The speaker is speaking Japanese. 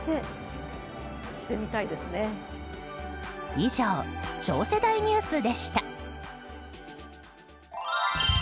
以上、超世代ニュースでした。